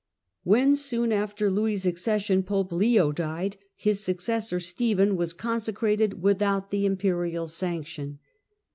When, soon after Louis' accession, Pope Leo died, his successor Stephen was consecrated without the Imperial sanction.